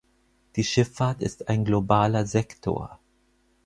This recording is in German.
Die Schifffahrt ist ein globaler Sektor.